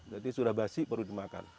berarti sudah basi perlu dimakan